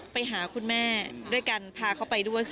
ไปหาคุณแม่ด้วยกันพาเขาไปด้วย